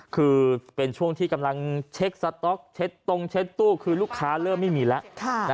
คือเป็นช่วงที่กำลังเช็คสต๊อกเช็ดตรงเช็ดตู้คือลูกค้าเริ่มไม่มีแล้ว